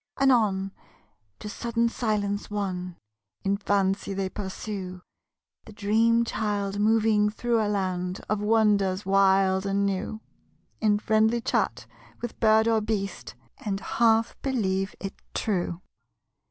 Anon, to sudden silence won, In fancy they pursue The dream child moving through a land Of wonders wild and new, In friendly chat with bird or beast And half believe it true.